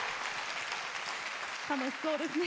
楽しそうですね。